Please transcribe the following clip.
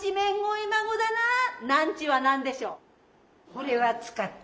ほれは使った。